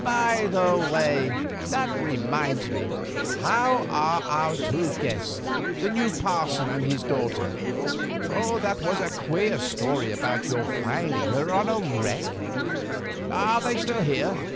"By the way, that reminds me, how are our two guests, the new parson and his daughter? That was a queer story about your finding her on the wreck. Are they still here?"